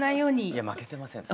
いや負けてません。